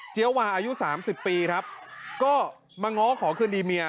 วาอายุ๓๐ปีครับก็มาง้อขอคืนดีเมีย